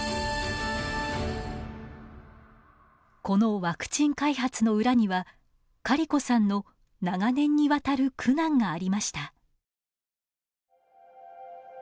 このワクチン開発の裏にはカリコさんの長年にわたる苦難がありました。